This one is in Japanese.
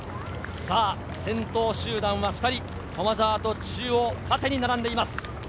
先頭集団は２人、駒澤と中央、縦に並んでいます。